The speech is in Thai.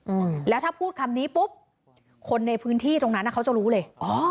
อืมแล้วถ้าพูดคำนี้ปุ๊บคนในพื้นที่ตรงนั้นอ่ะเขาจะรู้เลยอ๋อ